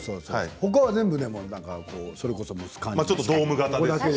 ほかは全部、それこそ蒸す感じ。